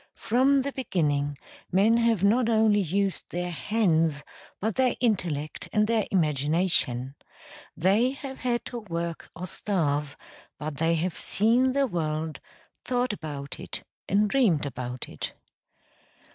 From the beginning men have not only used their hands but their intellect and their imagination; they have had to work or starve, but they have seen the world, thought about it and dreamed about it.